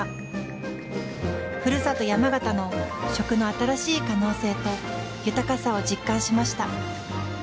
ふるさと山形の食の新しい可能性と豊かさを実感しました。